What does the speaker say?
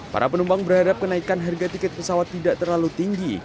para penumpang berharap kenaikan harga tiket pesawat tidak terlalu tinggi